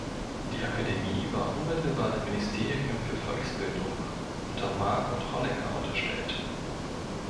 Die Akademie war unmittelbar dem Ministerium für Volksbildung unter Margot Honecker unterstellt.